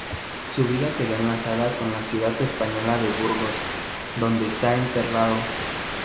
Su vida quedó enlazada con la ciudad española de Burgos, donde está enterrado.